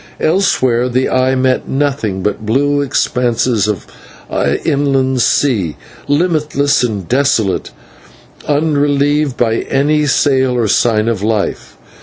Elsewhere the eye met nothing but blue expanses of inland sea, limitless and desolate, unrelieved by any sail or sign of life.